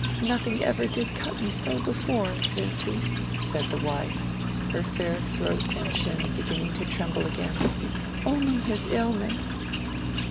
"Nothing ever did cut me so before, Vincy," said the wife, her fair throat and chin beginning to tremble again, "only his illness."